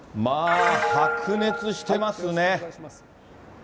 まあ、白熱してますね。